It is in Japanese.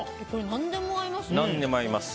何にでも合います。